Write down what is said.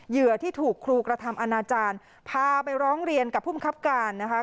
เหยื่อที่ถูกครูกระทำอนาจารย์พาไปร้องเรียนกับผู้มังคับการนะคะ